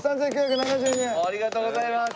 ありがとうございます！